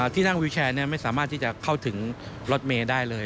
ที่นั่งวิวแชร์ไม่สามารถที่จะเข้าถึงรถเมย์ได้เลย